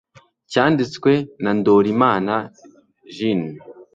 cyanditswe na ndorimana jean